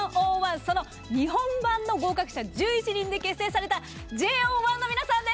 その日本版の合格者１１人で結成されたＪＯ１の皆さんです。